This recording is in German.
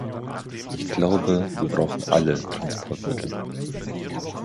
Ich glaube, wir brauchen alle Transportmittel.